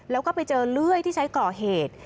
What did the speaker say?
แล้วก็ไปเจอเลื่อยที่ใช้ก่อเหตุ